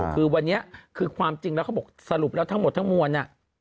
คือวันนี้คือความจริงแล้วเขาบอกสรุปแล้วทั้งหมดทั้งมวล